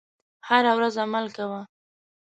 هره ورځ عمل کوه .